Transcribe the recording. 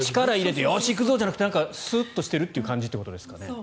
力を入れてよし行くぞじゃなくてスッとしているという感じということですかね。